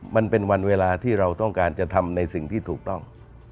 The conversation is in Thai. มันเป็นวันเวลาที่เราต้องการจะทำในสิ่งที่ถูกต้อง